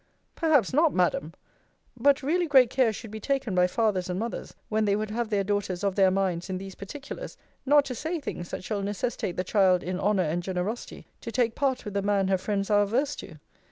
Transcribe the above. Perhaps not, Madam. But really great care should be taken by fathers and mothers, when they would have their daughters of their minds in these particulars, not to say things that shall necessitate the child, in honour and generosity, to take part with the man her friends are averse to.